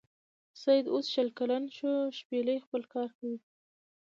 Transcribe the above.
سید اوس شل کلن و نو شپیلۍ خپل کار وکړ.